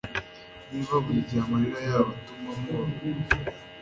niba burigihe amarira yabo atuma mubabara